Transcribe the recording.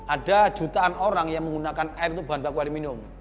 ada jutaan orang yang menggunakan air itu bahan baku aluminium